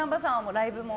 ライブも。